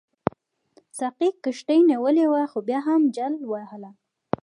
ساقي کښتۍ نیولې وه خو بیا هم جل وهله.